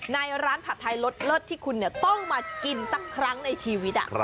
ในร้านผัดไทยรสเลิศที่คุณต้องมากินสักครั้งในชีวิต